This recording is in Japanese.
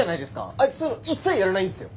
あいつそういうの一切やらないんですよ。